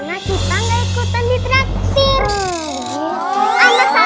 apaan kok gitu sih